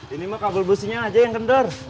ini mah kabel businya aja yang kender